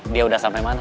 dia udah sampai mana